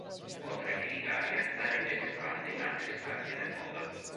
Oltre che in Italia, la rete si espande in altri stati del mondo.